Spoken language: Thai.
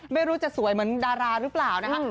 ไม่รู้จะสวยเหมือนดาราหรือเปล่านะคะ